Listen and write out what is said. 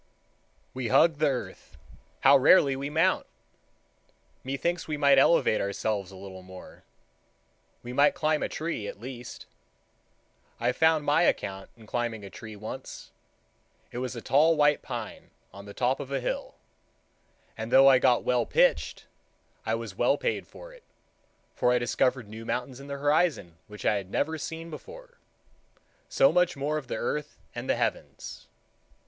We hug the earth—how rarely we mount! Methinks we might elevate ourselves a little more. We might climb a tree, at least. I found my account in climbing a tree once. It was a tall white pine, on the top of a hill; and though I got well pitched, I was well paid for it, for I discovered new mountains in the horizon which I had never seen before,—so much more of the earth and the heavens.